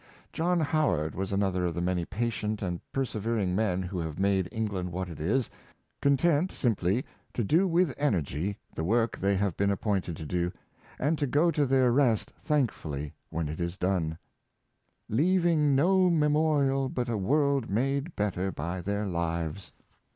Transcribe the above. John Howard was another of the many patient and persevering men who have made England what it is — content simply to do with energy the work they have been appointed to do, and to go to their rest thankfully when it is done —*' Leaving no memorial but a world Made better by their lives."